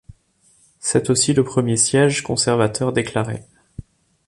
C'est aussi le premier siège conservateur déclaré.